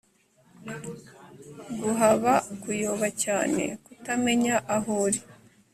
guhaba kuyoba cyane, kutamenya aho uri